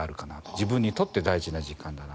自分にとって大事な時間だなと。